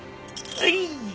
はい。